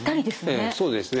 ええそうですね。